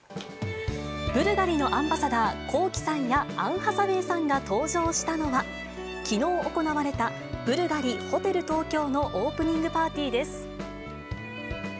ブルガリのアンバサダー、Ｋｏｋｉ，さんやアン・ハサウェイさんが登場したのは、きのう行われた、ブルガリホテル東京のオープニングパーティーです。